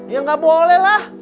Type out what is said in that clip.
ya gak boleh lah